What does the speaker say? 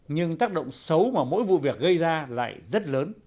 nhưng tác động xấu mà mỗi vụ việc gây ra lại rất lớn